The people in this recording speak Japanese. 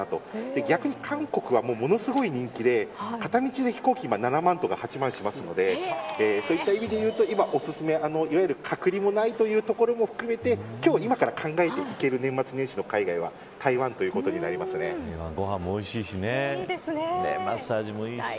逆に韓国は、ものすごい人気で片道で飛行機今、７万とか８万するのでそういった意味でいうと今、お薦めは隔離がないということも含めて今から考えて行ける年末年始の海外はご飯もおいしいしマッサージもいいし。